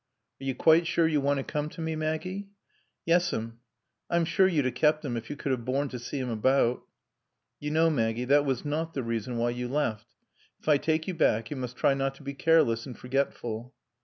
"Are you quite sure you want to come to me, Maggie?" "Yes'm.... I'm sure you'd a kept him if you could have borne to see him about." "You know, Maggie, that was not the reason why you left. If I take you back you must try not to be careless and forgetful."